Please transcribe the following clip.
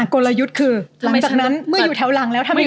กลยุทธ์คือหลังจากนั้นเมื่ออยู่แถวหลังแล้วทำยังไง